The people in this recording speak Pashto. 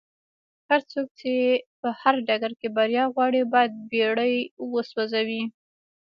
هرڅوک چې په هر ډګر کې بريا غواړي بايد بېړۍ وسوځوي.